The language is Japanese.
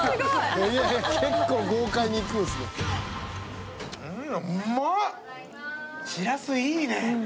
「結構豪快にいくんですね」